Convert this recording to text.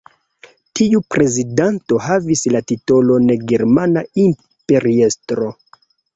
Tiu prezidanto havis la titolon Germana Imperiestro.